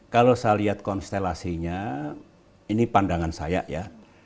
kalau saya lihat konstelasinya ini pandangan saya ya